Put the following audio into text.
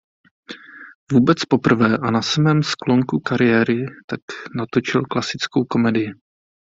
Vůbec poprvé a na samém sklonku kariéry tak natočil klasickou komedii.